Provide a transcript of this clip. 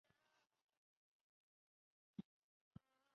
吕伊涅人口变化图示